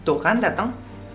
tuh kan dateng